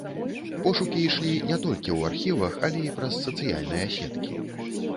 Пошукі ішлі не толькі ў архівах, але і праз сацыяльныя сеткі.